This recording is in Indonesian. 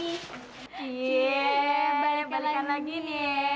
iya balik balikan lagi nih ya